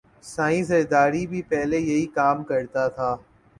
سائیں زرداری بھی پہلے یہئ کام کرتا تھا